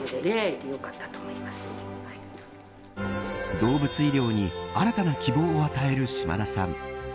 動物医療に新たな希望を与える島田さん